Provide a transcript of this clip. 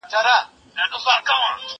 زه اوږده وخت بازار ته ځم وم؟